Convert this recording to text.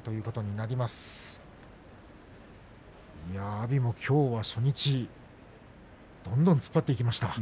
阿炎も、きょうは初日どんどん突っ張っていきました。